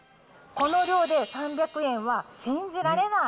この量で３００円は信じられない。